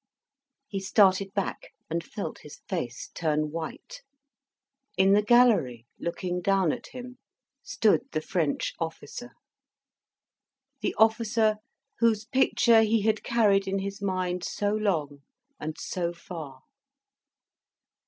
He started back, and felt his face turn white. In the gallery, looking down at him, stood the French officer the officer whose picture he had carried in his mind so long and so far.